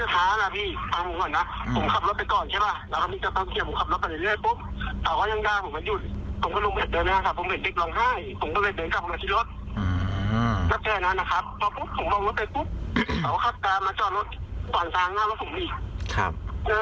ครับ